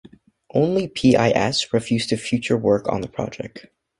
Only PiS refused to future work on the project.